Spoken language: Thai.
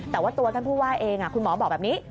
แต่ว่าตัวท่านผู้ว่าเองคุณหมอบอกแบบนี้